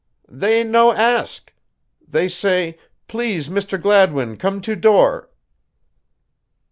"They no ask. They say, 'Please, Mr. Gladwin come to door!'"